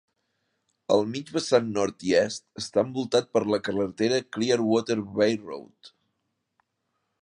El mig vessant nord i est està envoltat per la carretera Clear Water Bay Road.